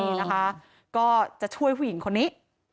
โอ้โหเพราะนี้นะคะก็จะช่วยผู้หญิงคนนี้